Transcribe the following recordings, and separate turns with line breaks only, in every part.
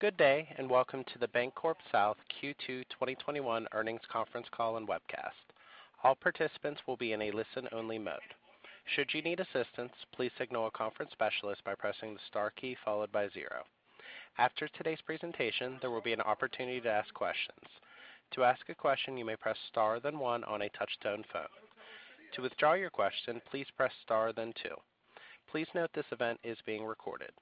Good day. Welcome to the BancorpSouth Q2 2021 earnings conference call and webcast. All participants will be in a listen only mode. Should you need assistance, please signal a conference specialist by pressing the star key followed by zero. After today's presentation, there will be an opportunity to ask questions. To ask a question, you may press star then one on a touch tone phone. To withdraw your question, please press star then two. Please note this event is being recorded.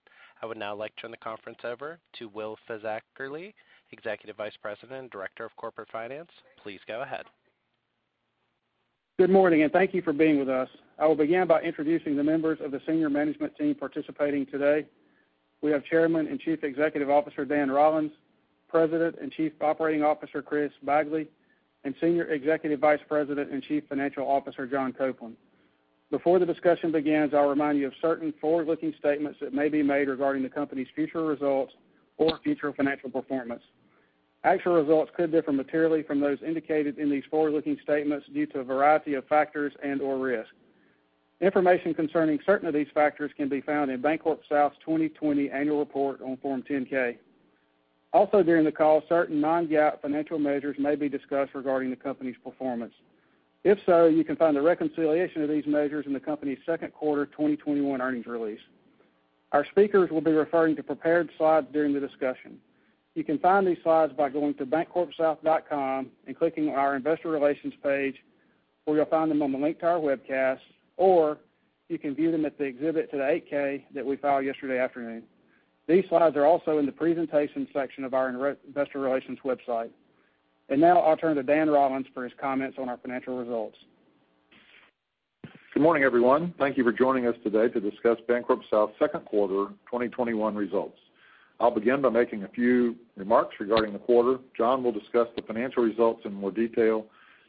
I would now like to turn the conference over to Will Fisackerly, Executive Vice President, Director of Corporate Finance. Please go ahead.
Good morning, and thank you for being with us. I will begin by introducing the members of the senior management team participating today. We have Chairman and Chief Executive Officer, Dan Rollins, President and Chief Operating Officer, Chris Bagley, and Senior Executive Vice President and Chief Financial Officer, John Copeland. Before the discussion begins, I'll remind you of certain forward-looking statements that may be made regarding the company's future results or future financial performance. Actual results could differ materially from those indicated in these forward-looking statements due to a variety of factors and/or risk. Information concerning certain of these factors can be found in BancorpSouth's 2020 annual report on Form 10-K. Also during the call, certain non-GAAP financial measures may be discussed regarding the company's performance. If so, you can find a reconciliation of these measures in the company's second quarter 2021 earnings release. Our speakers will be referring to prepared slides during the discussion. You can find these slides by going to bancorpsouth.com and clicking on our investor relations page, or you'll find them on the link to our webcast, or you can view them at the exhibit to the 8-K that we filed yesterday afternoon. These slides are also in the presentation section of our investor relations website. Now I'll turn to Dan Rollins for his comments on our financial results.
Good morning, everyone. Thank you for joining us today to discuss BancorpSouth's second quarter 2021 results. I'll begin by making a few remarks regarding the quarter. John will discuss the financial results in more detail,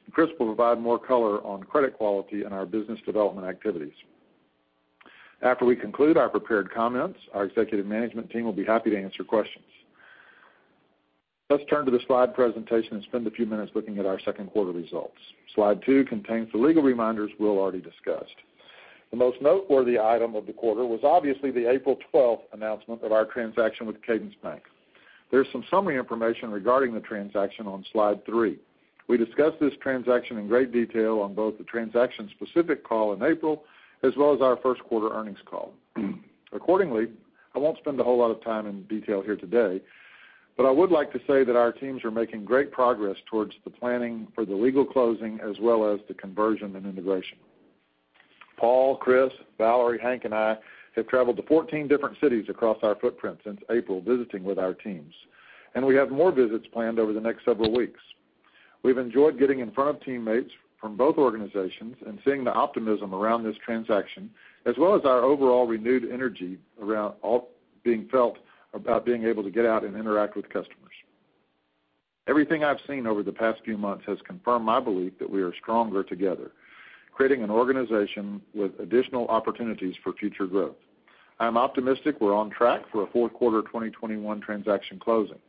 and Chris will provide more color on credit quality and our business development activities. After we conclude our prepared comments, our executive management team will be happy to answer questions. Let's turn to the slide presentation and spend a few minutes looking at our second quarter results. Slide two contains the legal reminders Will already discussed. The most noteworthy item of the quarter was obviously the April 12th announcement of our transaction with Cadence Bank. There's some summary information regarding the transaction on slide three. We discussed this transaction in great detail on both the transaction specific call in April, as well as our first quarter earnings call. Accordingly, I won't spend a whole lot of time in detail here today, but I would like to say that our teams are making great progress towards the planning for the legal closing, as well as the conversion and integration. Paul, Chris, Valerie, Hank, and I have traveled to 14 different cities across our footprint since April, visiting with our teams. We have more visits planned over the next several weeks. We've enjoyed getting in front of teammates from both organizations and seeing the optimism around this transaction, as well as our overall renewed energy being felt about being able to get out and interact with customers. Everything I've seen over the past few months has confirmed my belief that we are stronger together, creating an organization with additional opportunities for future growth. I'm optimistic we're on track for a fourth quarter 2021 transaction closing.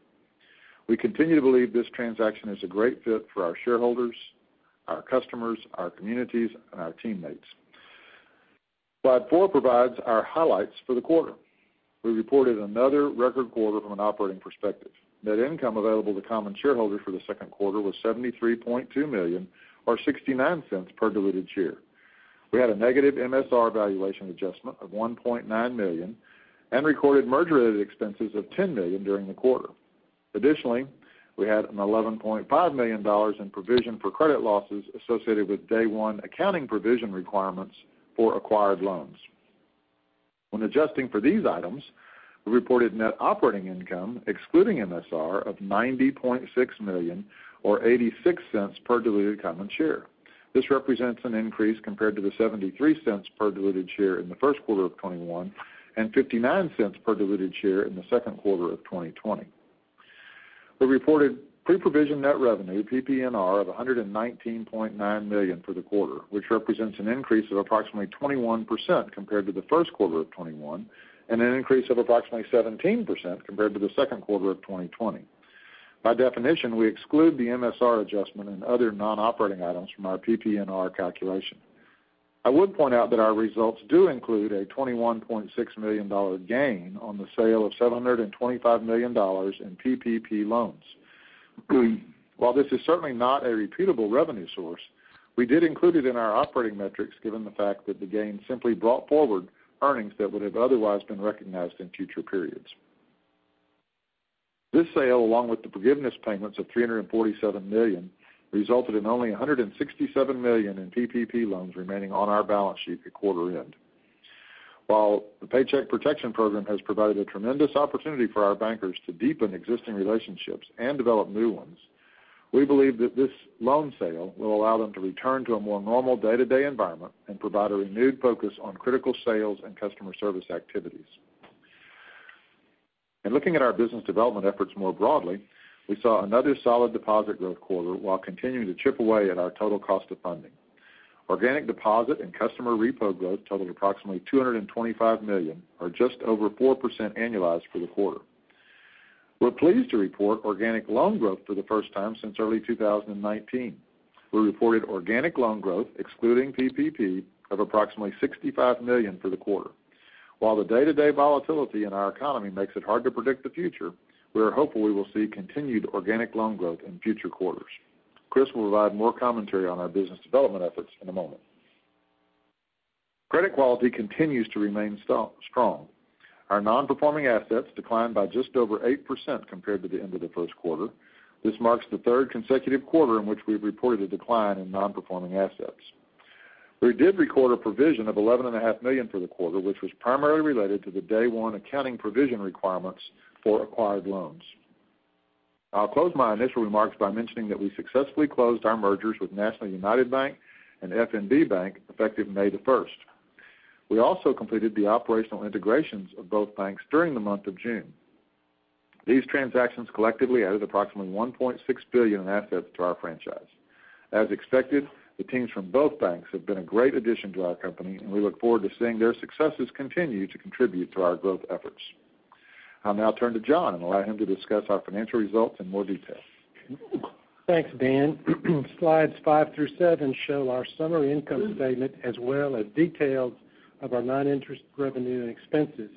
We continue to believe this transaction is a great fit for our shareholders, our customers, our communities, and our teammates. Slide four provides our highlights for the quarter. We reported another record quarter from an operating perspective. Net income available to common shareholders for the second quarter was $73.2 million or $0.69 per diluted share. We had a negative MSR valuation adjustment of $1.9 million and recorded merger-related expenses of $10 million during the quarter. Additionally, we had an $11.5 million in provision for credit losses associated with day one accounting provision requirements for acquired loans. When adjusting for these items, we reported net operating income excluding MSR of $90.6 million or $0.86 per diluted common share. This represents an increase compared to the $0.73 per diluted share in the first quarter of 2021 and $0.59 per diluted share in the second quarter of 2020. We reported pre-provision net revenue, PPNR, of $119.9 million for the quarter, which represents an increase of approximately 21% compared to the first quarter of 2021 and an increase of approximately 17% compared to the second quarter of 2020. By definition, we exclude the MSR adjustment and other non-operating items from our PPNR calculation. I would point out that our results do include a $21.6 million gain on the sale of $725 million in PPP loans. While this is certainly not a repeatable revenue source, we did include it in our operating metrics given the fact that the gain simply brought forward earnings that would have otherwise been recognized in future periods. This sale, along with the forgiveness payments of $347 million, resulted in only $167 million in PPP loans remaining on our balance sheet at quarter end. While the Paycheck Protection Program has provided a tremendous opportunity for our bankers to deepen existing relationships and develop new ones, we believe that this loan sale will allow them to return to a more normal day-to-day environment and provide a renewed focus on critical sales and customer service activities. In looking at our business development efforts more broadly, we saw another solid deposit growth quarter while continuing to chip away at our total cost of funding. Organic deposit and customer repo growth totaled approximately $225 million or just over 4% annualized for the quarter. We're pleased to report organic loan growth for the first time since early 2019. We reported organic loan growth, excluding PPP, of approximately $65 million for the quarter. While the day-to-day volatility in our economy makes it hard to predict the future, we are hopeful we will see continued organic loan growth in future quarters. Chris will provide more commentary on our business development efforts in a moment. Credit quality continues to remain strong. Our non-performing assets declined by just over 8% compared to the end of the first quarter. This marks the third consecutive quarter in which we've reported a decline in non-performing assets. We did record a provision of $11.5 million for the quarter, which was primarily related to the day one accounting provision requirements for acquired loans. I'll close my initial remarks by mentioning that we successfully closed our mergers with National United Bank and FNB Bank effective May 1st. We also completed the operational integrations of both banks during the month of June. These transactions collectively added approximately $1.6 billion in assets to our franchise. As expected, the teams from both banks have been a great addition to our company, and we look forward to seeing their successes continue to contribute to our growth efforts. I'll now turn to John and allow him to discuss our financial results in more detail.
Thanks, Dan. Slides five through seven show our summary income statement as well as details of our non-interest revenue and expenses.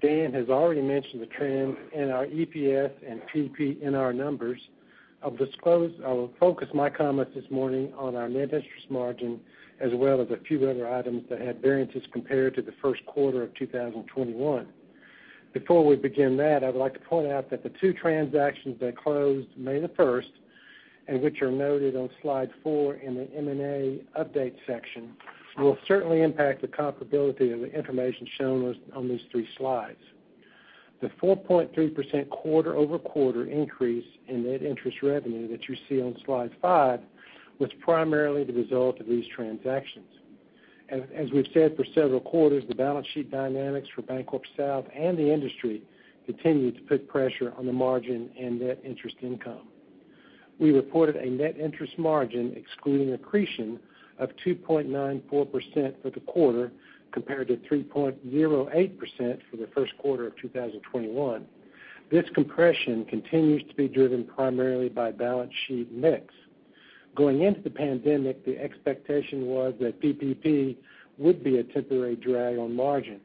Dan has already mentioned the trend in our EPS and PPNR numbers. I'll focus my comments this morning on our net interest margin as well as a few other items that had variances compared to the first quarter of 2021. Before we begin that, I would like to point out that the two transactions that closed May 1st, and which are noted on slide four in the M&A update section, will certainly impact the comparability of the information shown on these three slides. The 4.3% quarter-over-quarter increase in net interest revenue that you see on slide five was primarily the result of these transactions. As we've said for several quarters, the balance sheet dynamics for BancorpSouth and the industry continue to put pressure on the margin and net interest income. We reported a net interest margin, excluding accretion, of 2.94% for the quarter, compared to 3.08% for the first quarter of 2021. This compression continues to be driven primarily by balance sheet mix. Going into the pandemic, the expectation was that PPP would be a temporary drag on margin.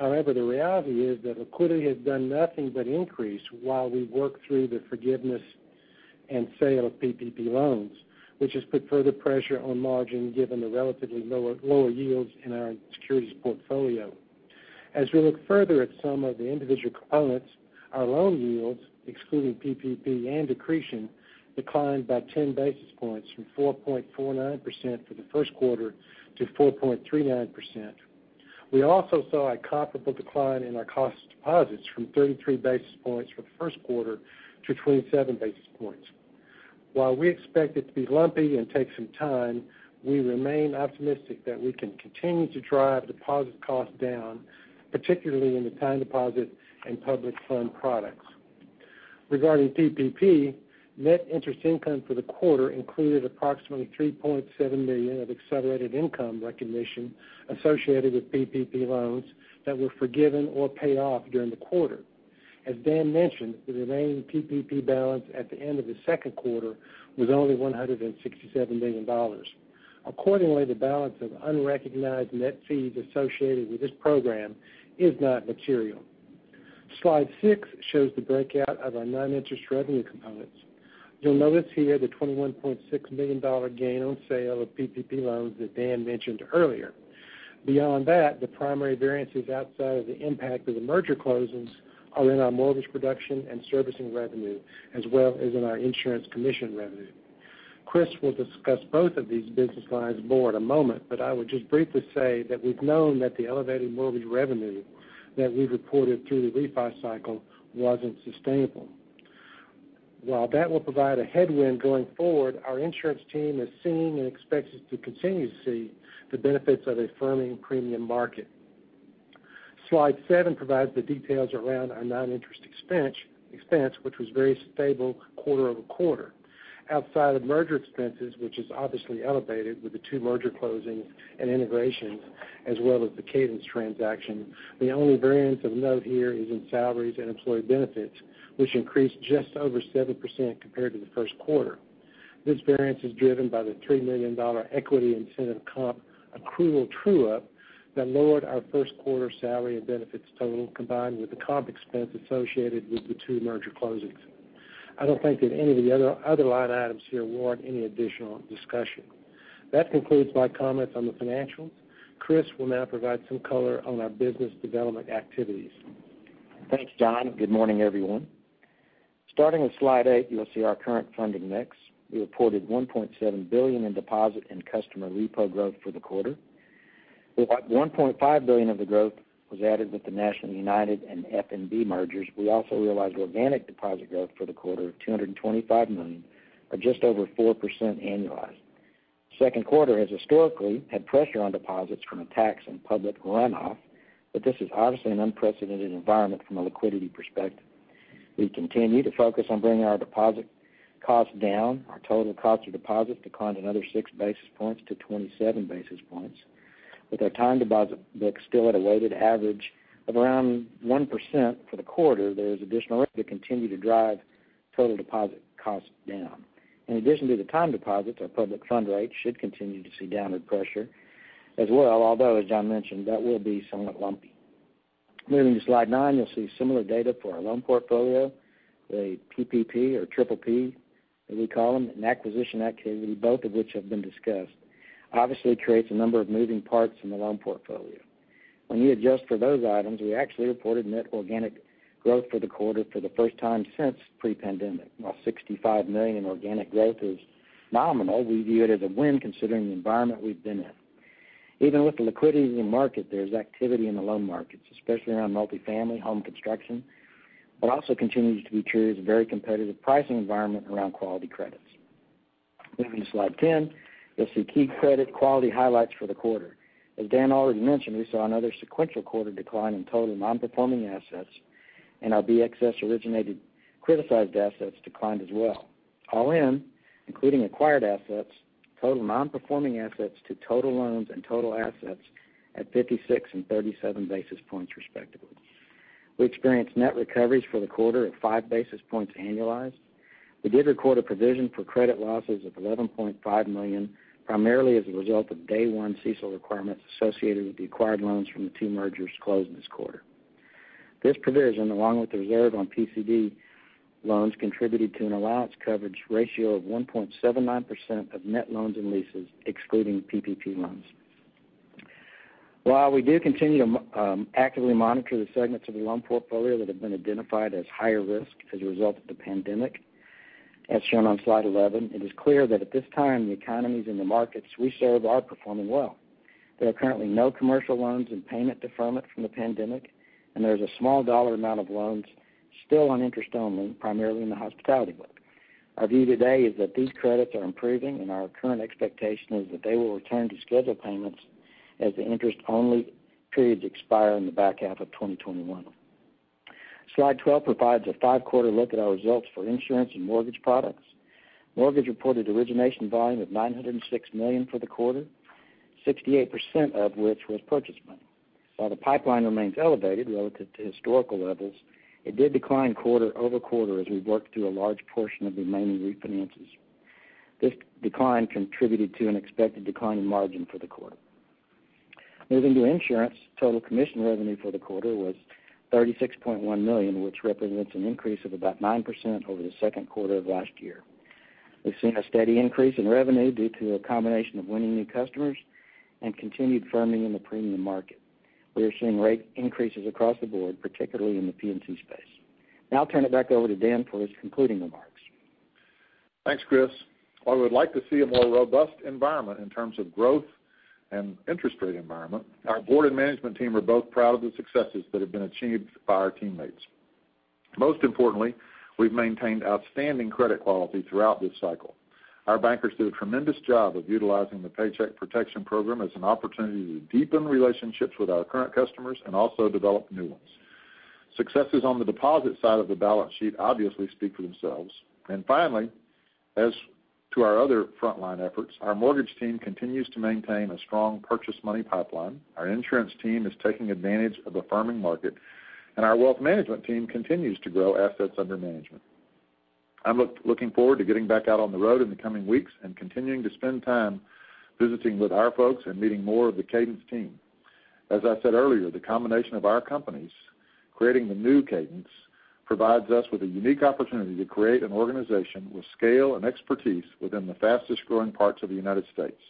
The reality is that liquidity has done nothing but increase while we work through the forgiveness and sale of PPP loans, which has put further pressure on margin given the relatively lower yields in our securities portfolio. As we look further at some of the individual components, our loan yields, excluding PPP and accretion, declined by 10 basis points from 4.49% for the first quarter to 4.39%. We also saw a comparable decline in our cost deposits from 33 basis points for the first quarter to 27 basis points. We expect it to be lumpy and take some time, we remain optimistic that we can continue to drive deposit costs down, particularly in the time deposit and public fund products. Regarding PPP, net interest income for the quarter included approximately $3.7 million of accelerated income recognition associated with PPP loans that were forgiven or paid off during the quarter. As Dan mentioned, the remaining PPP balance at the end of the second quarter was only $167 million. Accordingly, the balance of unrecognized net fees associated with this program is not material. Slide six shows the breakout of our non-interest revenue components. You'll notice here the $21.6 million gain on sale of PPP loans that Dan mentioned earlier. Beyond that, the primary variances outside of the impact of the merger closings are in our mortgage production and servicing revenue, as well as in our insurance commission revenue. Chris will discuss both of these business lines more in a moment, but I would just briefly say that we've known that the elevated mortgage revenue that we reported through the refi cycle wasn't sustainable. While that will provide a headwind going forward, our insurance team is seeing and expects to continue to see the benefits of a firming premium market. Slide seven provides the details around our non-interest expense, which was very stable quarter-over-quarter. Outside of merger expenses, which is obviously elevated with the two merger closings and integrations, as well as the Cadence transaction, the only variance of note here is in salaries and employee benefits, which increased just over 7% compared to the first quarter. This variance is driven by the $3 million equity incentive comp accrual true-up that lowered our first quarter salary and benefits total, combined with the comp expense associated with the two merger closings. I don't think that any of the other line items here warrant any additional discussion. That concludes my comments on the financials. Chris will now provide some color on our business development activities.
Thanks, John. Good morning, everyone. Starting with slide eight, you'll see our current funding mix. We reported $1.7 billion in deposit and customer repo growth for the quarter. About $1.5 billion of the growth was added with the National United and FNB mergers. We also realized organic deposit growth for the quarter of $225 million, or just over 4% annualized. Second quarter has historically had pressure on deposits from a tax and public runoff, but this is obviously an unprecedented environment from a liquidity perspective. We continue to focus on bringing our deposit costs down. Our total cost of deposits declined another six basis points to 27 basis points. With our time deposit book still at a weighted average of around 1% for the quarter, there is additional room to continue to drive total deposit costs down. In addition to the time deposits, our public fund rate should continue to see downward pressure as well, although, as John mentioned, that will be somewhat lumpy. Moving to slide nine, you'll see similar data for our loan portfolio, the PPP, or triple P as we call them, and acquisition activity, both of which have been discussed. Obviously creates a number of moving parts in the loan portfolio. When you adjust for those items, we actually reported net organic growth for the quarter for the first time since pre-pandemic. While $65 million in organic growth is nominal, we view it as a win considering the environment we've been in. Even with the liquidity in the market, there's activity in the loan markets, especially around multi-family home construction. What also continues to be true is a very competitive pricing environment around quality credits. Moving to slide 10, you'll see key credit quality highlights for the quarter. As Dan already mentioned, we saw another sequential quarter decline in total non-performing assets and our BXS-originated criticized assets declined as well. All in, including acquired assets, total non-performing assets to total loans and total assets at 56 and 37 basis points respectively. We experienced net recoveries for the quarter at five basis points annualized. We did record a provision for credit losses of $11.5 million, primarily as a result of day one CECL requirements associated with the acquired loans from the two mergers closed this quarter. This provision, along with the reserve on PCD loans, contributed to an allowance coverage ratio of 1.79% of net loans and leases, excluding PPP loans. We do continue to actively monitor the segments of the loan portfolio that have been identified as higher risk as a result of the pandemic, as shown on slide 11, it is clear that at this time, the economies and the markets we serve are performing well. There are currently no commercial loans in payment deferment from the pandemic, and there is a small dollar amount of loans still on interest only, primarily in the hospitality book. Our view today is that these credits are improving, and our current expectation is that they will return to scheduled payments as the interest-only periods expire in the back half of 2021. Slide 12 provides a five-quarter look at our results for insurance and mortgage products. Mortgage reported origination volume of $906 million for the quarter, 68% of which was purchase money. While the pipeline remains elevated relative to historical levels, it did decline quarter-over-quarter as we worked through a large portion of the remaining refinances. This decline contributed to an expected decline in margin for the quarter. Moving to insurance, total commission revenue for the quarter was $36.1 million, which represents an increase of about 9% over the second quarter of last year. We've seen a steady increase in revenue due to a combination of winning new customers and continued firming in the premium market. We are seeing rate increases across the board, particularly in the P&C space. I'll turn it back over to Dan for his concluding remarks.
Thanks, Chris. While we would like to see a more robust environment in terms of growth and interest rate environment, our board and management team are both proud of the successes that have been achieved by our teammates. Most importantly, we've maintained outstanding credit quality throughout this cycle. Our bankers did a tremendous job of utilizing the Paycheck Protection Program as an opportunity to deepen relationships with our current customers and also develop new ones. Successes on the deposit side of the balance sheet obviously speak for themselves. Finally, as to our other frontline efforts, our mortgage team continues to maintain a strong purchase money pipeline. Our insurance team is taking advantage of a firming market, and our wealth management team continues to grow assets under management. I'm looking forward to getting back out on the road in the coming weeks and continuing to spend time visiting with our folks and meeting more of the Cadence team. As I said earlier, the combination of our companies creating the new Cadence provides us with a unique opportunity to create an organization with scale and expertise within the fastest-growing parts of the United States.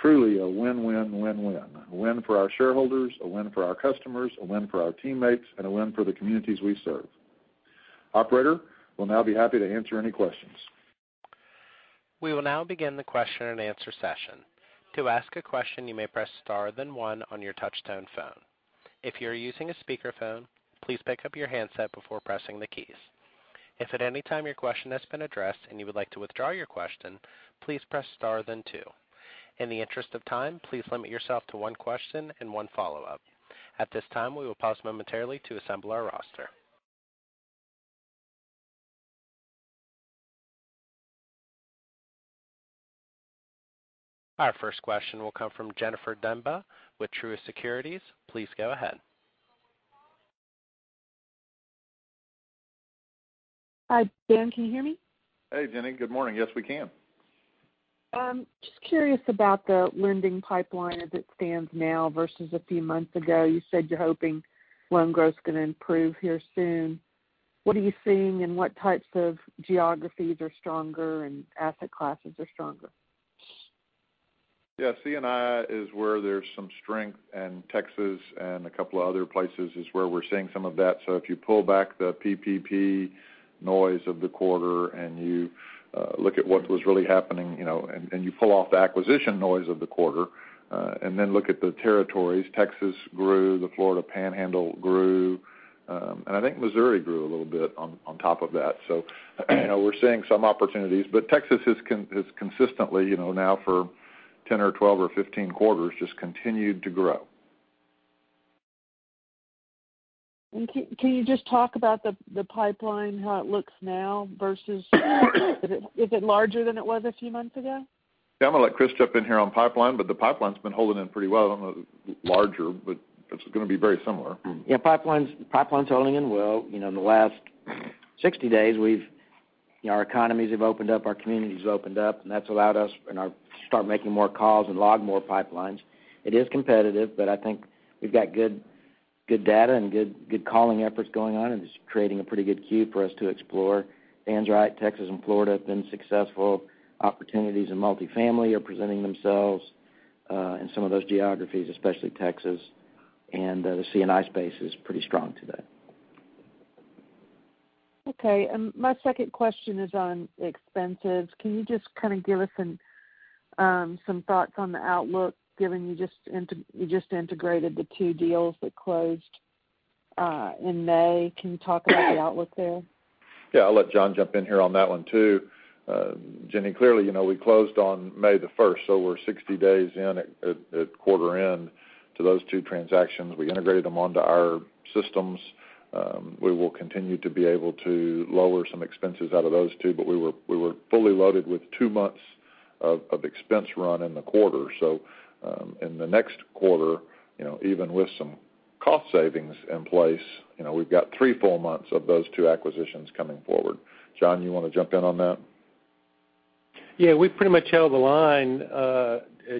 Truly a win-win-win-win. A win for our shareholders, a win for our customers, a win for our teammates, and a win for the communities we serve. Operator, we'll now be happy to answer any questions.
We will now begin the question and answer session. To ask a question, you may press star then one on your touch tone phone. If you are using a speakerphone, please pick up your handset before pressing the keys. If at any time your question has been addressed and you would like to withdraw your question, please press star then two. In the interest of time, please limit yourself to one question and one follow-up. At this time, we will pause momentarily to assemble our roster. Our first question will come from Jennifer Demba with Truist Securities. Please go ahead.
Hi, Dan, can you hear me?
Hey, Jenny. Good morning. Yes, we can.
Just curious about the lending pipeline as it stands now versus a few months ago. You said you're hoping loan growth's going to improve here soon. What are you seeing, and what types of geographies are stronger and asset classes are stronger?
Yeah, C&I is where there's some strength, and Texas and a couple of other places is where we're seeing some of that. If you pull back the PPP noise of the quarter and you look at what was really happening, and you pull off the acquisition noise of the quarter, and then look at the territories, Texas grew, the Florida Panhandle grew, and I think Missouri grew a little bit on top of that. We're seeing some opportunities, but Texas has consistently, now for 10 or 12 or 15 quarters, just continued to grow.
Can you just talk about the pipeline, how it looks now? Is it larger than it was a few months ago?
Yeah. I'm going to let Chris jump in here on pipeline, but the pipeline's been holding in pretty well. I don't know if it's larger, but it's going to be very similar.
Yeah. Pipeline's holding in well. In the last 60 days, our economies have opened up, our communities have opened up, and that's allowed us to start making more calls and log more pipelines. It is competitive, but I think we've got good data and good calling efforts going on, and it's creating a pretty good queue for us to explore. Dan's right. Texas and Florida have been successful. Opportunities in multifamily are presenting themselves, in some of those geographies, especially Texas. The C&I space is pretty strong today.
Okay. My second question is on expenses. Can you just kind of give us some thoughts on the outlook, given you just integrated the two deals that closed in May? Can you talk about the outlook there?
Yeah. I'll let John Copeland jump in here on that one, too. Jennifer Demba, clearly, we closed on May 1st, so we're 60 days in at quarter end to those two transactions. We integrated them onto our systems. We will continue to be able to lower some expenses out of those two, but we were fully loaded with two months of expense run in the quarter. In the next quarter, even with some cost savings in place, we've got three full months of those two acquisitions coming forward. John Copeland, you want to jump in on that?
Yeah. We pretty much held the line,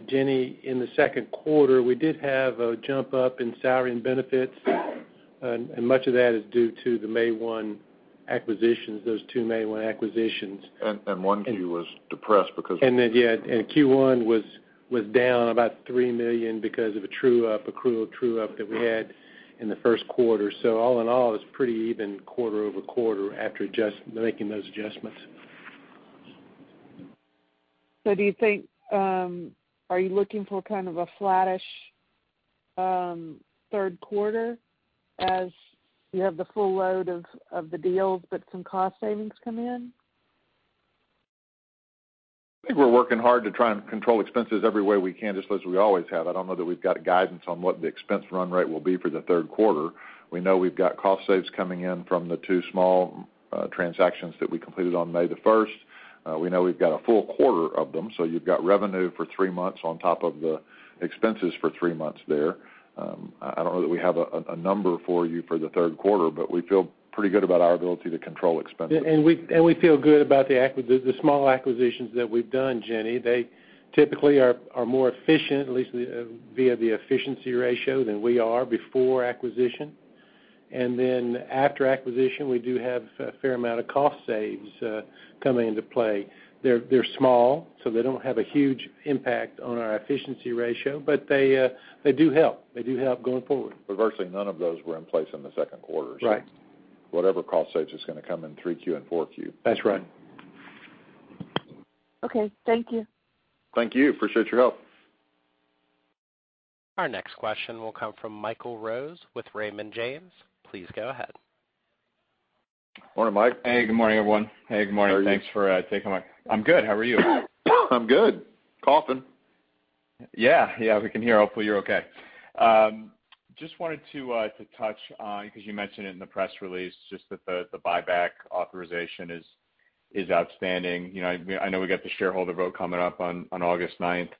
Jenny, in the second quarter. We did have a jump up in salary and benefits, and much of that is due to the May 1 acquisitions, those two May 1 acquisitions.
1Q was depressed because.
Yeah, Q1 was down about $3 million because of a true up, accrual true up that we had in the first quarter. All in all, it was pretty even quarter-over-quarter after making those adjustments.
Are you looking for kind of a flattish third quarter as you have the full load of the deals, but some cost savings come in?
I think we're working hard to try and control expenses every way we can, just as we always have. I don't know that we've got a guidance on what the expense run rate will be for the third quarter. We know we've got cost saves coming in from the two small transactions that we completed on May the 1st. We know we've got a full quarter of them. You've got revenue for three months on top of the expenses for three months there. I don't know that we have a number for you for the third quarter. We feel pretty good about our ability to control expenses.
We feel good about the small acquisitions that we've done, Jenny. They typically are more efficient, at least via the efficiency ratio, than we are before acquisition. After acquisition, we do have a fair amount of cost saves coming into play. They're small, so they don't have a huge impact on our efficiency ratio, but they do help. They do help going forward.
Reversely, none of those were in place in the second quarter.
Right.
Whatever cost save is going to come in 3Q and 4Q.
That's right.
Okay. Thank you.
Thank you. Appreciate your help.
Our next question will come from Michael Rose with Raymond James. Please go ahead.
Morning, Michael.
Hey, good morning, everyone. Hey, good morning.
How are you?
I'm good. How are you?
I'm good. Coughing.
We can hear. Hopefully, you're okay. Just wanted to touch on, because you mentioned it in the press release, just that the buyback authorization is outstanding. I know we got the shareholder vote coming up on August 9th.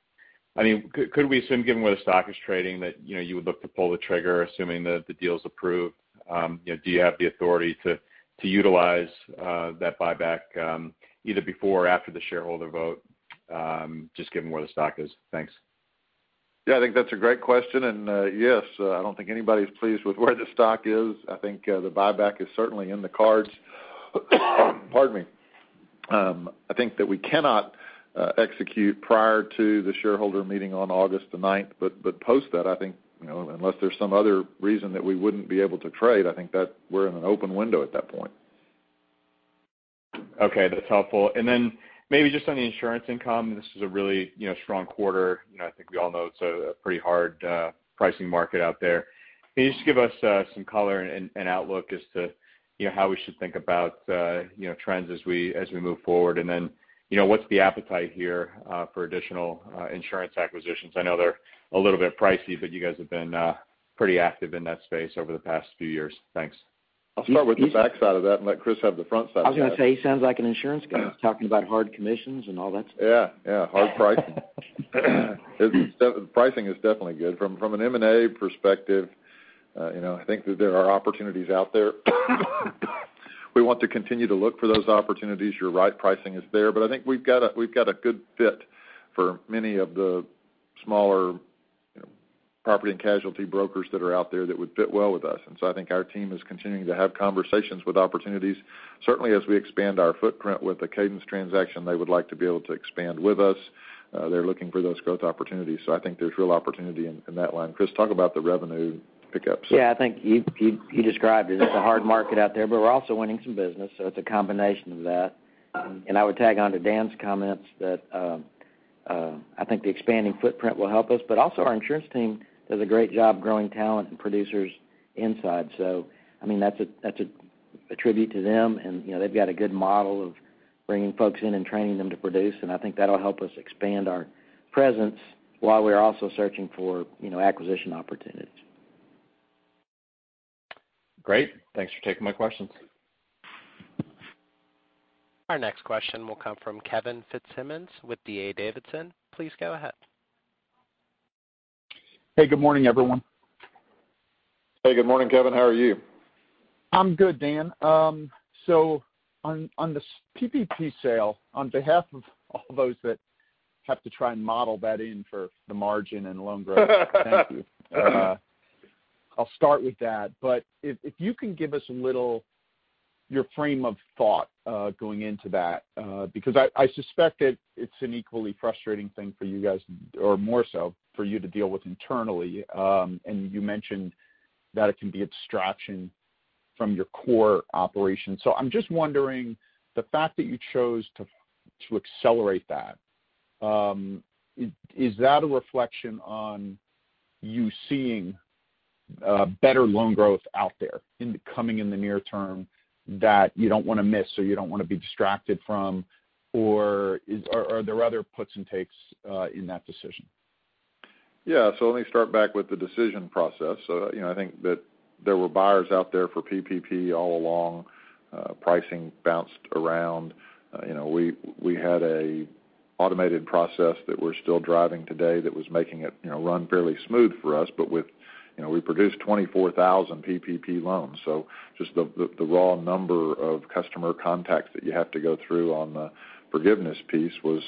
Could we assume, given where the stock is trading, that you would look to pull the trigger, assuming that the deal is approved? Do you have the authority to utilize that buyback, either before or after the shareholder vote, just given where the stock is? Thanks.
Yeah. I think that's a great question, and yes, I don't think anybody's pleased with where the stock is. I think the buyback is certainly in the cards. Pardon me. I think that we cannot execute prior to the shareholder meeting on August the 9th, but post that, I think, unless there's some other reason that we wouldn't be able to trade, I think that we're in an open window at that point.
Okay. That's helpful. Then maybe just on the insurance income, this was a really strong quarter. I think we all know it's a pretty hard pricing market out there. Can you just give us some color and outlook as to how we should think about trends as we move forward? Then, what's the appetite here for additional insurance acquisitions? I know they're a little bit pricey, but you guys have been pretty active in that space over the past few years. Thanks.
I'll start with the back side of that and let Chris have the front side of that.
I was going to say, he sounds like an insurance guy talking about hard commissions and all that stuff.
Yeah. Hard pricing. Pricing is definitely good. From an M&A perspective, I think that there are opportunities out there. We want to continue to look for those opportunities. You're right, pricing is there. I think we've got a good fit for many of the smaller property and casualty brokers that are out there that would fit well with us. I think our team is continuing to have conversations with opportunities. Certainly, as we expand our footprint with the Cadence transaction, they would like to be able to expand with us. They're looking for those growth opportunities. I think there's real opportunity in that line. Chris, talk about the revenue pickups.
Yeah, I think you described it. It's a hard market out there. We're also winning some business. It's a combination of that. I would tag onto Dan's comments that I think the expanding footprint will help us. Also, our insurance team does a great job growing talent and producers inside. That's a tribute to them. They've got a good model of bringing folks in and training them to produce. I think that'll help us expand our presence while we're also searching for acquisition opportunities.
Great. Thanks for taking my questions.
Our next question will come from Kevin Fitzsimmons with D.A. Davidson. Please go ahead.
Hey, good morning, everyone.
Hey, good morning, Kevin. How are you?
I'm good, Dan. On the PPP sale, on behalf of all those that have to try and model that in for the margin and loan growth, thank you. I'll start with that. If you can give us a little, your frame of thought, going into that, because I suspect that it's an equally frustrating thing for you guys or more so for you to deal with internally. You mentioned that it can be a distraction from your core operations. I'm just wondering, the fact that you chose to accelerate that, is that a reflection on you seeing better loan growth out there coming in the near term that you don't want to miss or you don't want to be distracted from? Are there other puts and takes in that decision?
Let me start back with the decision process. I think that there were buyers out there for PPP all along. Pricing bounced around. We had a automated process that we're still driving today that was making it run fairly smooth for us. We produced 24,000 PPP loans. Just the raw number of customer contacts that you have to go through on the forgiveness piece was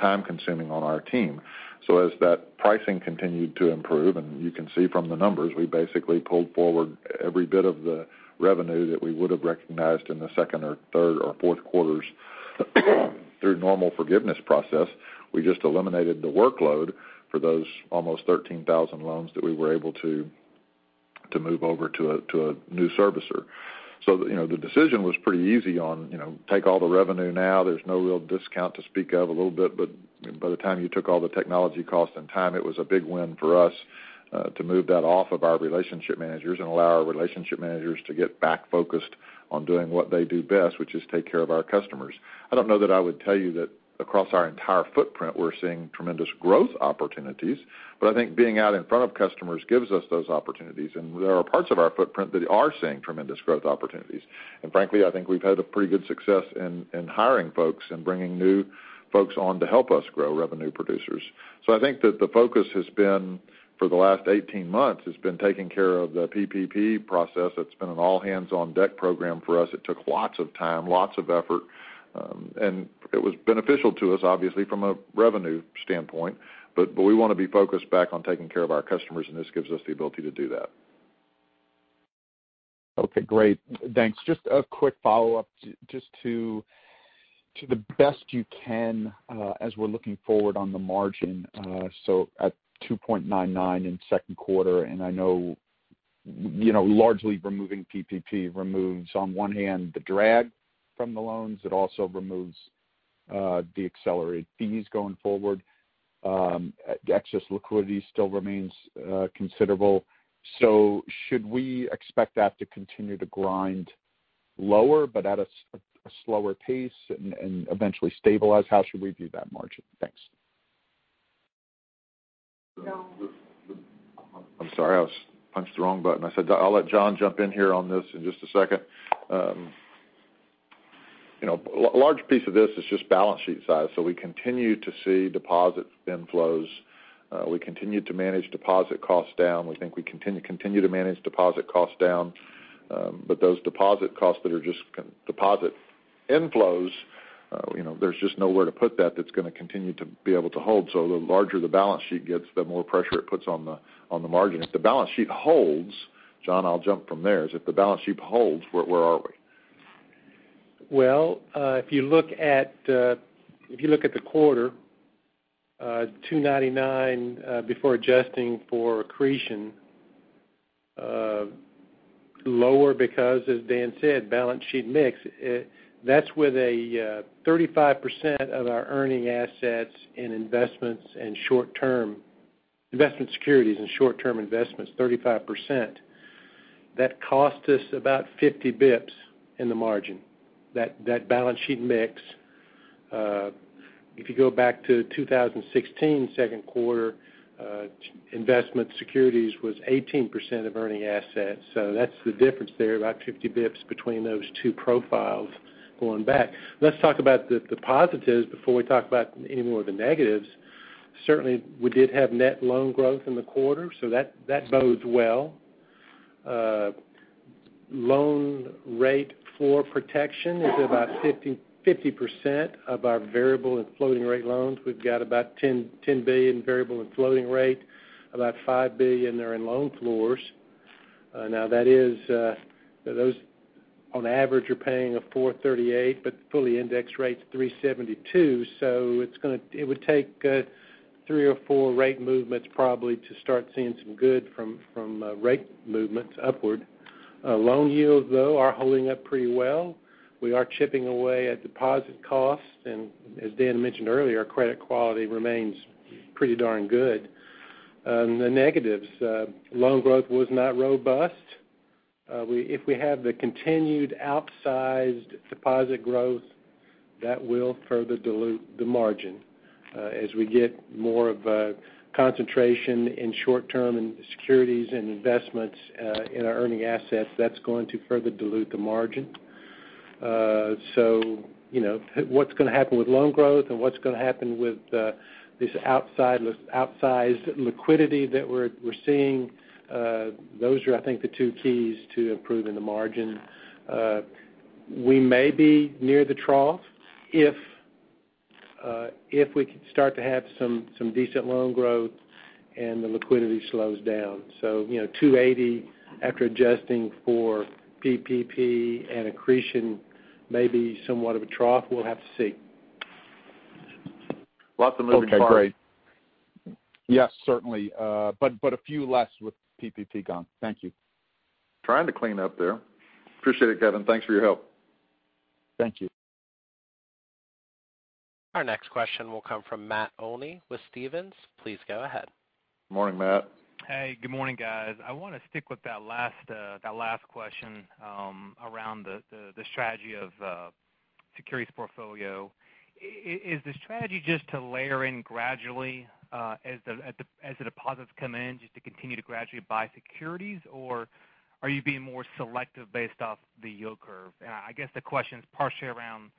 time-consuming on our team. As that pricing continued to improve, and you can see from the numbers, we basically pulled forward every bit of the revenue that we would've recognized in the second or third or fourth quarters through normal forgiveness process. We just eliminated the workload for those almost 13,000 loans that we were able to move over to a new servicer. The decision was pretty easy on take all the revenue now. There's no real discount to speak of a little bit, but by the time you took all the technology cost and time, it was a big win for us, to move that off of our relationship managers and allow our relationship managers to get back focused on doing what they do best, which is take care of our customers. I don't know that I would tell you that across our entire footprint, we're seeing tremendous growth opportunities, but I think being out in front of customers gives us those opportunities, and there are parts of our footprint that are seeing tremendous growth opportunities. Frankly, I think we've had a pretty good success in hiring folks and bringing new folks on to help us grow revenue producers. I think that the focus has been, for the last 18 months, has been taking care of the PPP process. It's been an all-hands-on-deck program for us. It took lots of time, lots of effort, and it was beneficial to us, obviously, from a revenue standpoint. We want to be focused back on taking care of our customers, and this gives us the ability to do that.
Okay, great. Thanks. Just a quick follow-up just to the best you can, as we're looking forward on the margin, at 2.99% in second quarter, and I know largely removing PPP removes on one hand the drag from the loans. It also removes the accelerated fees going forward. Excess liquidity still remains considerable. Should we expect that to continue to grind lower but at a slower pace and eventually stabilize? How should we view that margin? Thanks.
I'm sorry. I punched the wrong button. I'll let John jump in here on this in just a second. A large piece of this is just balance sheet size. We continue to see deposit inflows. We continue to manage deposit costs down. We think we continue to manage deposit costs down. Those deposit costs that are just deposit inflows, there's just nowhere to put that that's going to continue to be able to hold. The larger the balance sheet gets, the more pressure it puts on the margin. If the balance sheet holds, John, I'll jump from there. If the balance sheet holds, where are we?
Well, if you look at the quarter, 299, before adjusting for accretion, lower because, as Dan said, balance sheet mix. That's with 35% of our earning assets in investments and short-term investment securities and short-term investments, 35%. That cost us about 50 basis points in the margin, that balance sheet mix. If you go back to 2016 second quarter, investment securities was 18% of earning assets. That's the difference there, about 50 basis points between those two profiles going back. Let's talk about the positives before we talk about any more of the negatives. Certainly, we did have net loan growth in the quarter, that bodes well. Loan rate floor protection is about 50% of our variable and floating rate loans. We've got about $10 billion in variable and floating rate. About $5 billion are in loan floors. Those on average are paying a 438, fully indexed rate's 372. It would take three or four rate movements probably to start seeing some good from rate movements upward. Loan yields, though, are holding up pretty well. We are chipping away at deposit costs, as Dan mentioned earlier, credit quality remains pretty darn good. The negatives. Loan growth was not robust. If we have the continued outsized deposit growth, that will further dilute the margin. As we get more of a concentration in short-term and securities and investments in our earning assets, that's going to further dilute the margin. What's going to happen with loan growth and what's going to happen with this outsized liquidity that we're seeing, those are, I think, the two keys to improving the margin. We may be near the trough if we could start to have some decent loan growth and the liquidity slows down. 2.80 after adjusting for PPP and accretion may be somewhat of a trough. We'll have to see.
Lots of moving parts.
Okay, great. Yes, certainly. A few less with PPP gone. Thank you. Trying to clean up there. Appreciate it, Kevin. Thanks for your help.
Thank you.
Our next question will come from Matt Olney with Stephens. Please go ahead.
Morning, Matt.
Hey, good morning, guys. I want to stick with that last question around the strategy of securities portfolio. Is the strategy just to layer in gradually as the deposits come in, just to continue to gradually buy securities? Or are you being more selective based off the yield curve? I guess the question's partially around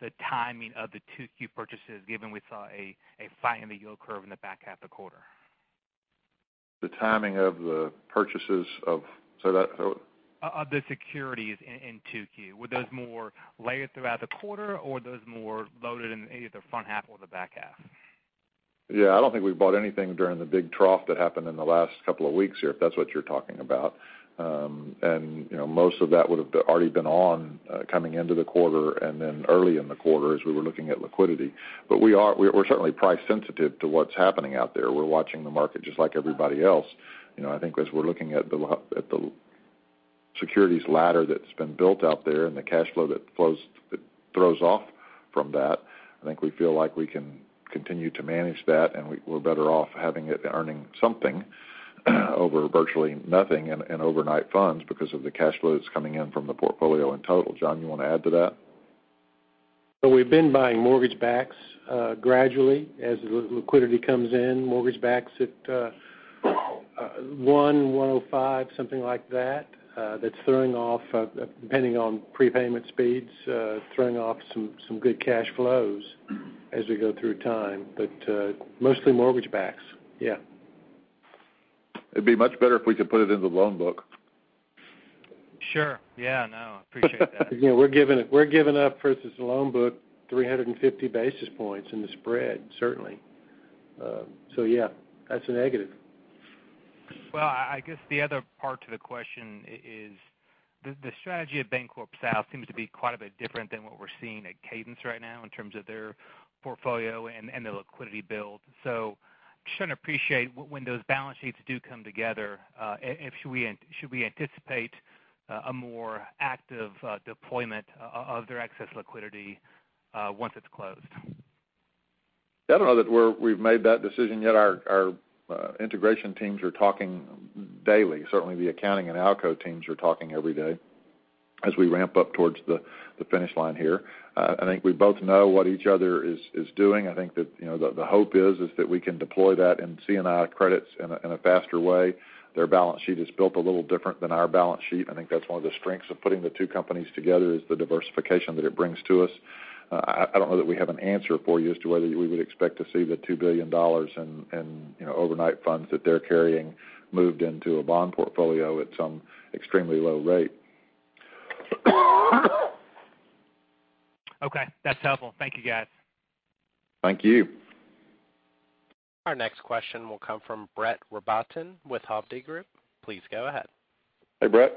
the timing of the 2Q purchases, given we saw a flattening in the yield curve in the back half of the quarter.
Say that.
Of the securities in 2Q, were those more layered throughout the quarter, or were those more loaded in either the front half or the back half?
Yeah, I don't think we bought anything during the big trough that happened in the last couple of weeks here, if that's what you're talking about. Most of that would've already been on coming into the quarter and then early in the quarter as we were looking at liquidity. We're certainly price sensitive to what's happening out there. We're watching the market just like everybody else. I think as we're looking at the securities ladder that's been built out there and the cash flow that throws off from that, I think we feel like we can continue to manage that, and we're better off having it earning something over virtually nothing in overnight funds because of the cash flow that's coming in from the portfolio in total. John, you want to add to that?
We've been buying mortgage backs gradually as liquidity comes in. Mortgage backs at [one low five], something like that's throwing off, depending on prepayment speeds, throwing off some good cash flows as we go through time. Mostly mortgage backs. Yeah.
It'd be much better if we could put it into the loan book.
Sure. Yeah. No, appreciate that.
Yeah, we're giving up versus the loan book 350 basis points in the spread, certainly. Yeah, that's a negative.
Well, I guess the other part to the question is the strategy of BancorpSouth seems to be quite a bit different than what we're seeing at Cadence right now in terms of their portfolio and their liquidity build. Just trying to appreciate when those balance sheets do come together, should we anticipate a more active deployment of their excess liquidity once it's closed?
I don't know that we've made that decision yet. Our integration teams are talking daily. Certainly, the accounting and ALCO teams are talking every day as we ramp up towards the finish line here. I think we both know what each other is doing. I think that the hope is that we can deploy that in C&I credits in a faster way. Their balance sheet is built a little different than our balance sheet. I think that's one of the strengths of putting the two companies together is the diversification that it brings to us. I don't know that we have an answer for you as to whether we would expect to see the $2 billion in overnight funds that they're carrying moved into a bond portfolio at some extremely low rate.
Okay, that's helpful. Thank you, guys.
Thank you.
Our next question will come from Brett Rabatin with Hovde Group. Please go ahead.
Hey, Brett.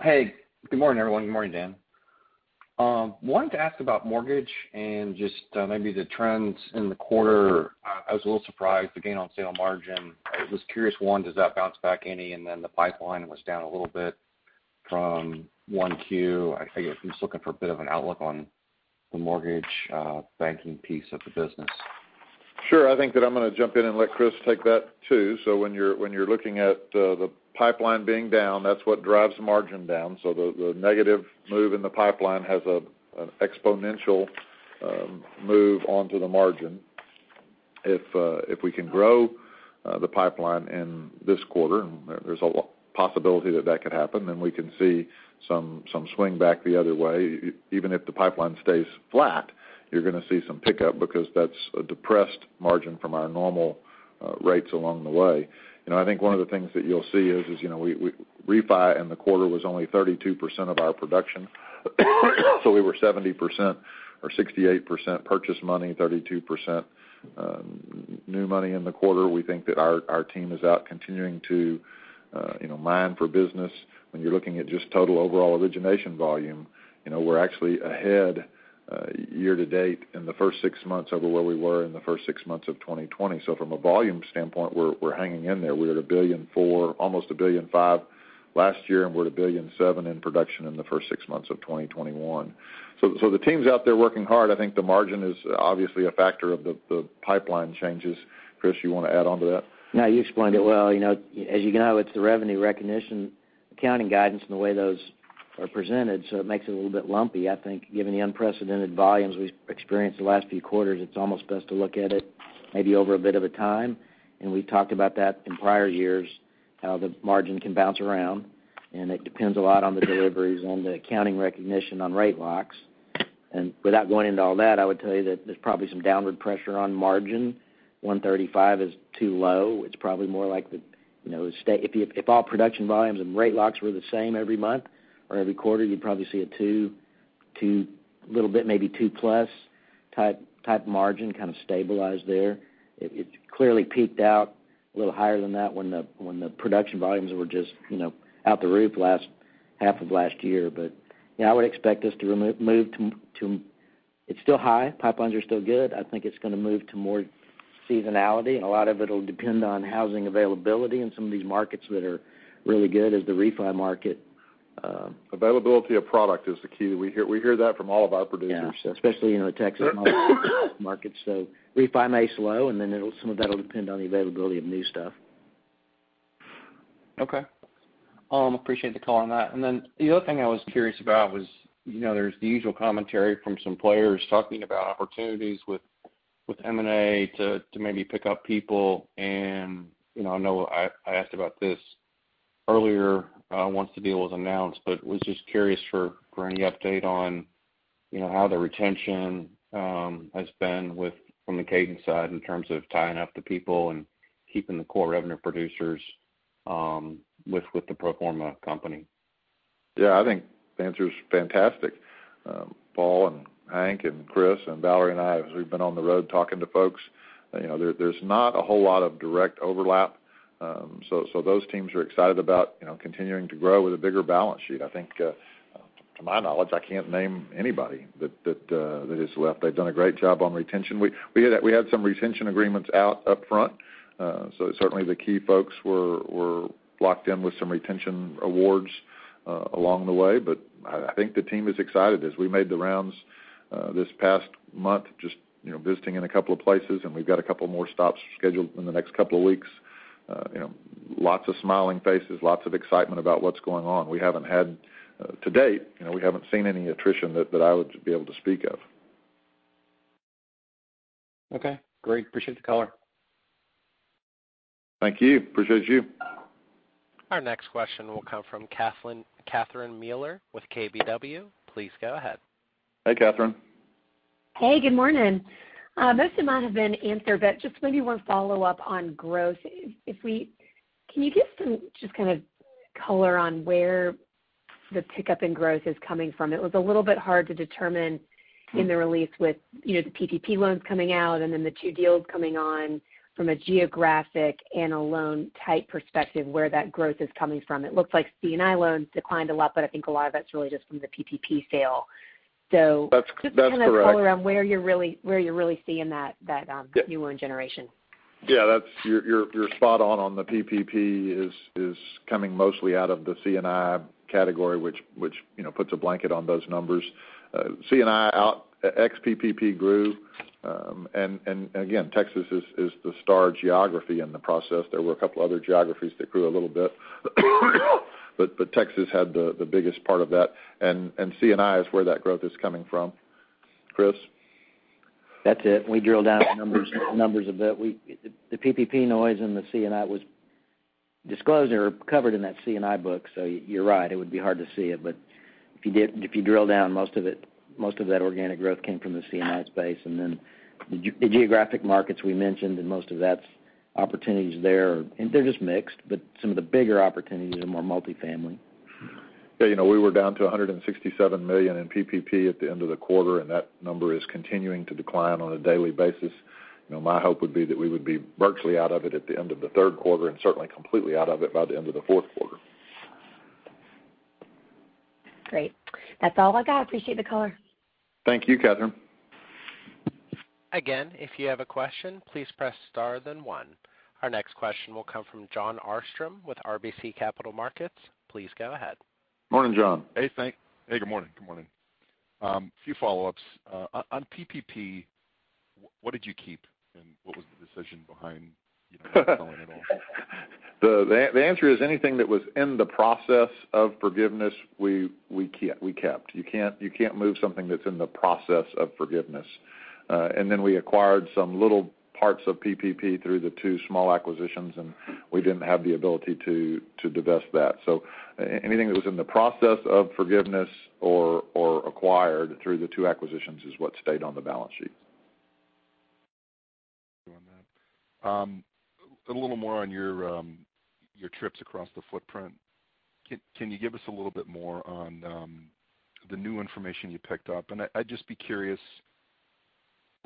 Hey, good morning, everyone. Good morning, Dan. Wanted to ask about mortgage and just maybe the trends in the quarter. I was a little surprised the gain on sale margin. I was curious, one, does that bounce back any? The pipeline was down a little bit from 1Q. I guess I'm just looking for a bit of an outlook on the mortgage banking piece of the business.
Sure. I think that I'm going to jump in and let Chris take that, too. When you're looking at the pipeline being down, that's what drives margin down. The negative move in the pipeline has an exponential move onto the margin. If we can grow the pipeline in this quarter, and there's a possibility that that could happen, then we can see some swing back the other way. Even if the pipeline stays flat, you're going to see some pickup because that's a depressed margin from our normal rates along the way. I think one of the things that you'll see is refi in the quarter was only 32% of our production. We were 70% or 68% purchase money, 32% new money in the quarter. We think that our team is out continuing to mine for business. When you're looking at just total overall origination volume, we're actually ahead year to date in the first six months over where we were in the first six months of 2020. From a volume standpoint, we're hanging in there. We were at $1.4 billion, almost $1.5 billion last year, and we're at $1.7 billion in production in the first six months of 2021. The team's out there working hard. I think the margin is obviously a factor of the pipeline changes. Chris, you want to add on to that?
No, you explained it well. As you know, it's the revenue recognition. Accounting guidance and the way those are presented, so it makes it a little bit lumpy. I think given the unprecedented volumes we've experienced the last few quarters, it's almost best to look at it maybe over a bit of a time, and we've talked about that in prior years, how the margin can bounce around, and it depends a lot on the deliveries, on the accounting recognition on rate locks. Without going into all that, I would tell you that there's probably some downward pressure on margin. 135 is too low. It's probably more like, if all production volumes and rate locks were the same every month or every quarter, you'd probably see a two, little bit maybe two plus type margin kind of stabilize there. It's clearly peaked out a little higher than that when the production volumes were just out the roof half of last year. Yeah, I would expect this to move to, it's still high. Pipelines are still good. I think it's going to move to more seasonality, and a lot of it'll depend on housing availability in some of these markets that are really good as the refi market-
Availability of product is the key. We hear that from all of our producers.
Yeah. Especially in the Texas markets. Refi may slow, and then some of that'll depend on the availability of new stuff.
Okay. Appreciate the color on that. The other thing I was curious about was, there's the usual commentary from some players talking about opportunities with M&A to maybe pick up people and, I know I asked about this earlier, once the deal was announced, but was just curious for any update on how the retention has been from the Cadence side in terms of tying up the people and keeping the core revenue producers with the pro forma company.
I think the answer is fantastic. Paul and Hank and Chris and Valerie and I, as we've been on the road talking to folks, there's not a whole lot of direct overlap. Those teams are excited about continuing to grow with a bigger balance sheet. I think, to my knowledge, I can't name anybody that has left. They've done a great job on retention. We had some retention agreements out up front. Certainly, the key folks were locked in with some retention awards along the way. I think the team is excited. As we made the rounds this past month, just visiting in a couple of places, and we've got a couple more stops scheduled in the next couple of weeks. Lots of smiling faces, lots of excitement about what's going on. To date, we haven't seen any attrition that I would be able to speak of.
Okay, great. Appreciate the color.
Thank you. Appreciate you.
Our next question will come from Catherine Mealor with KBW. Please go ahead.
Hey, Catherine.
Hey, good morning. Most of mine have been answered, but just maybe one follow-up on growth. Can you give some just kind of color on where the pickup in growth is coming from? It was a little bit hard to determine in the release with the PPP loans coming out and then the two deals coming on from a geographic and a loan type perspective, where that growth is coming from. It looks like C&I loans declined a lot, but I think a lot of that's really just from the PPP sale.
That's correct.
just kind of color around where you're really seeing that new loan generation.
Yeah, you're spot on the PPP is coming mostly out of the C&I category, which puts a blanket on those numbers. C&I ex PPP grew. Again, Texas is the star geography in the process. There were a couple other geographies that grew a little bit, but Texas had the biggest part of that, and C&I is where that growth is coming from. Chris?
That's it. We drilled down the numbers a bit. The PPP noise and the C&I was disclosed or covered in that C&I book. You're right, it would be hard to see it. If you drill down, most of that organic growth came from the C&I space, and then the geographic markets we mentioned, and most of that's opportunities there are just mixed, but some of the bigger opportunities are more multi-family.
Yeah, we were down to $167 million in PPP at the end of the quarter, and that number is continuing to decline on a daily basis. My hope would be that we would be virtually out of it at the end of the third quarter, and certainly completely out of it by the end of the fourth quarter.
Great. That's all I got. Appreciate the color.
Thank you, Catherine.
Again, if you have a question, please press star then one. Our next question will come from Jon Arfstrom with RBC Capital Markets. Please go ahead.
Morning, Jon.
Hey, good morning. A few follow-ups. On PPP, what did you keep, and what was the decision behind not selling it all?
The answer is anything that was in the process of forgiveness, we kept. You can't move something that's in the process of forgiveness. Then we acquired some little parts of PPP through the two small acquisitions, and we didn't have the ability to divest that. Anything that was in the process of forgiveness or acquired through the two acquisitions is what stayed on the balance sheet.
Thank you on that. A little more on your trips across the footprint. Can you give us a little bit more on the new information you picked up? I'd just be curious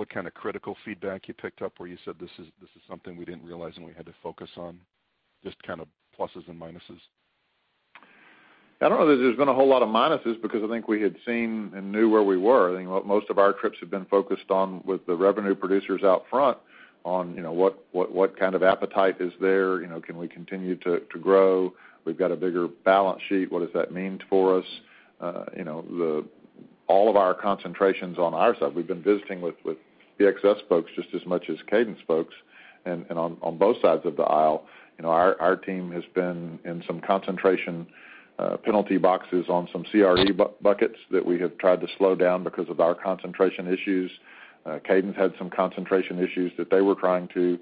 what kind of critical feedback you picked up where you said, "This is something we didn't realize and we had to focus on." Just kind of pluses and minuses.
I don't know that there's been a whole lot of minuses because I think we had seen and knew where we were. I think most of our trips have been focused on with the revenue producers out front on what kind of appetite is there. Can we continue to grow? We've got a bigger balance sheet. What does that mean for us? All of our concentrations on our side. We've been visiting with BXS folks just as much as Cadence folks, and on both sides of the aisle, our team has been in some concentration penalty boxes on some CRE buckets that we have tried to slow down because of our concentration issues. Cadence had some concentration issues that they were trying to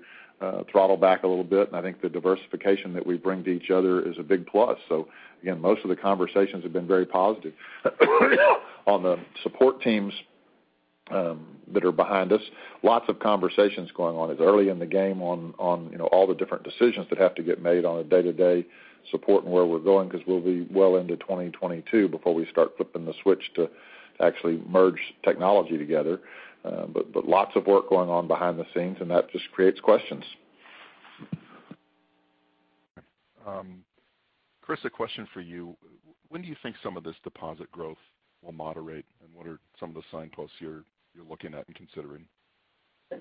throttle back a little bit, and I think the diversification that we bring to each other is a big plus. Again, most of the conversations have been very positive. On the support teams that are behind us, lots of conversations going on. It's early in the game on all the different decisions that have to get made on a day-to-day support and where we're going, because we'll be well into 2022 before we start flipping the switch to actually merge technology together. Lots of work going on behind the scenes, and that just creates questions.
Chris, a question for you. When do you think some of this deposit growth will moderate, and what are some of the signposts you're looking at and considering?
Is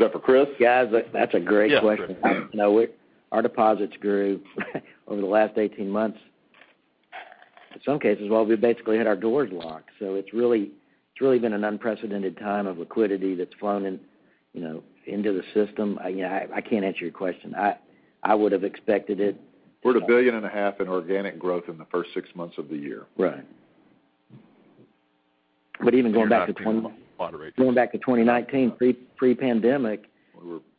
that for Chris?
Guys, that's a great question.
Yeah, for Chris.
Our deposits grew over the last 18 months, in some cases, while we basically had our doors locked. It's really been an unprecedented time of liquidity that's flown into the system. I can't answer your question.
We're at a billion and a half in organic growth in the first six months of the year.
Right.
You're not going to moderate.
going back to 2019, pre-pandemic.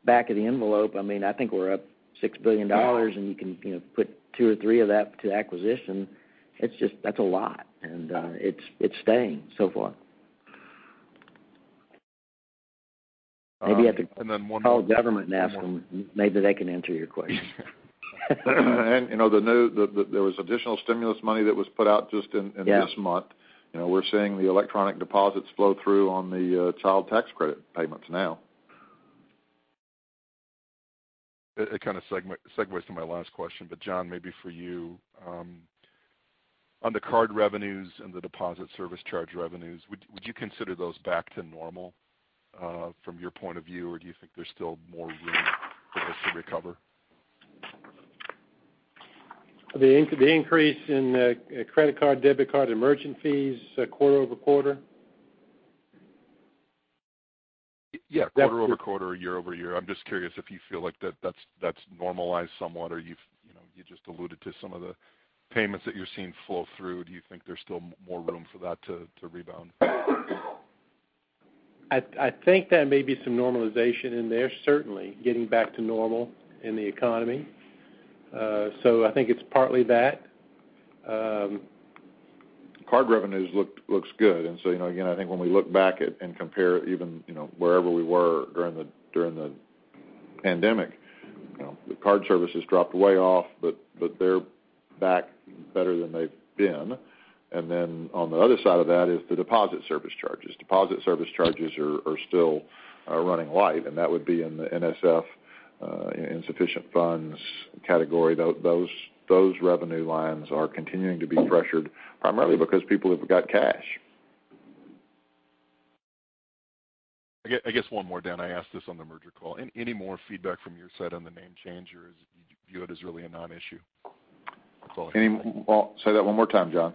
Back of the envelope, I think we're up $6 billion. You can put two or three of that to acquisition. That's a lot. It's staying so far. Maybe you have to-
One more.
call the government and ask them. Maybe they can answer your question.
There was additional stimulus money that was put out just in this month.
Yeah.
We're seeing the electronic deposits flow through on the child tax credit payments now.
It kind of segues to my last question, John, maybe for you. On the card revenues and the deposit service charge revenues, would you consider those back to normal from your point of view, or do you think there's still more room for this to recover?
The increase in credit card, debit card, and merchant fees quarter-over-quarter?
Yeah, quarter-over-quarter or year-over-year, I'm just curious if you feel like that's normalized somewhat, or you just alluded to some of the payments that you're seeing flow through. Do you think there's still more room for that to rebound?
I think there may be some normalization in there, certainly getting back to normal in the economy. I think it's partly that.
Card revenues looks good. Again, I think when we look back at and compare even wherever we were during the pandemic, the card services dropped way off, they're back better than they've been. On the other side of that is the deposit service charges. Deposit service charges are still running light, that would be in the NSF, insufficient funds category. Those revenue lines are continuing to be pressured primarily because people have got cash.
I guess one more, Dan. I asked this on the merger call. Any more feedback from your side on the name change, or do you view it as really a non-issue?
Say that one more time, Jon.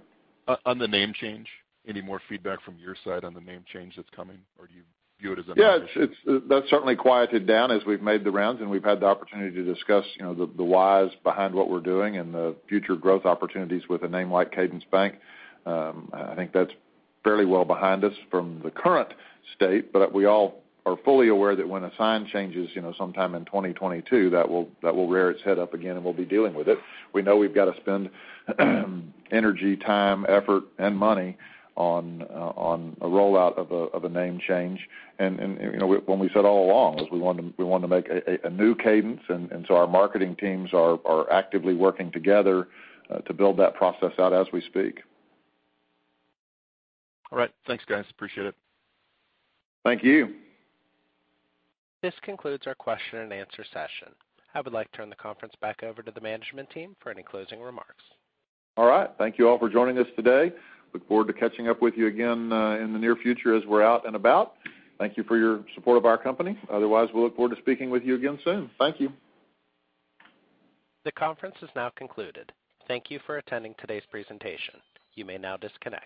On the name change, any more feedback from your side on the name change that's coming, or do you view it as a non-issue?
Yeah. That certainly quieted down as we've made the rounds, and we've had the opportunity to discuss the whys behind what we're doing and the future growth opportunities with a name like Cadence Bank. I think that's fairly well behind us from the current state, but we all are fully aware that when a sign changes sometime in 2022, that will rear its head up again, and we'll be dealing with it. We know we've got to spend energy, time, effort, and money on a rollout of a name change. What we said all along was we want to make a new Cadence, and so our marketing teams are actively working together to build that process out as we speak.
All right. Thanks, guys. Appreciate it.
Thank you.
This concludes our question and answer session. I would like to turn the conference back over to the management team for any closing remarks.
All right. Thank you all for joining us today. Look forward to catching up with you again in the near future as we're out and about. Thank you for your support of our company. Otherwise, we'll look forward to speaking with you again soon. Thank you.
The conference is now concluded. Thank you for attending today's presentation. You may now disconnect.